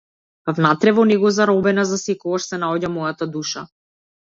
Внатре во него, заробена засекогаш, се наоѓа мојата душа.